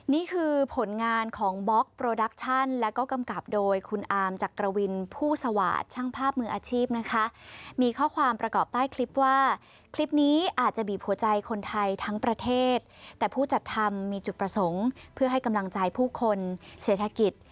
นี่คือผลงานของบล็อกโปรดักชั่นแล้วก็กำกับโดยคุณอามจักรวินผู้สวาสตร์ช่างภาพมืออาชีพนะคะมีข้อความประกอบใต้คลิปว่าคลิปนี้อาจจะบีบหัวใจคนไทยทั้งประเทศแต่ผู้จัดทำมีจุดประสงค์เพื่อให้กำลังใจผู้คนเศรษฐกิจ